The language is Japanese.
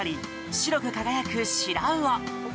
白く輝くシラウオ。